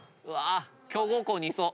強豪校にいそう。